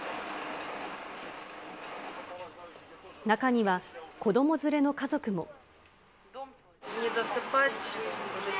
中には、子ども連れの家族も。